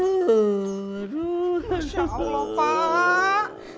masya allah pak